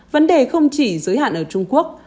vấn đề không chỉ giới hạn ở trung quốc